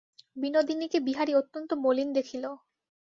বিনোদিনীকে বিহারী অত্যন্ত মলিন দেখিল।